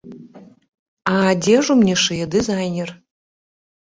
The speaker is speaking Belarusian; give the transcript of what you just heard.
А адзежу мне шые дызайнер.